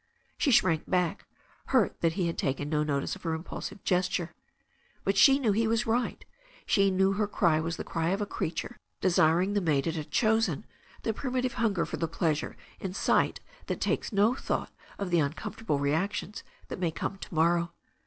She shrank back, hurt that he had taken no notice of her impulsive gesture. But she knew he was right. She knew her cry was the cry oi a creature desiring the mate it had chosen, the primitive hunger for the pleasure in sight that takes no thought of the uncomfortable reactions that may come to morrow.